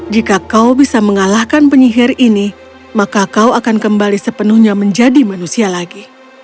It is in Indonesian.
jika kau bisa mengalahkan penyihir ini maka kau akan kembali sepenuhnya menjadi manusia lagi